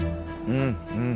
うんうん。